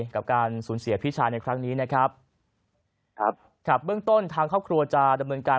กับการสูญเสียพี่ชายในครั้งนี้นะครับครับเบื้องต้นทางครอบครัวจะดำเนินการ